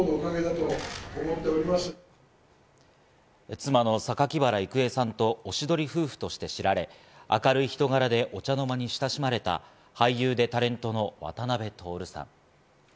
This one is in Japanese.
妻の榊原郁恵さんとおしどり夫婦として知られ、明るい人柄でお茶の間に親しまれた、俳優でタレントの渡辺徹さん。